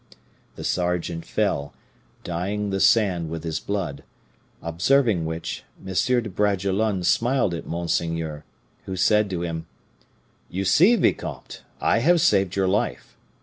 The sergeant fell, dyeing the sand with his blood; observing which, M. de Bragelonne smiled at monseigneur, who said to him, 'You see, vicomte, I have saved your life.